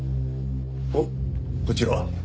おっこちらは？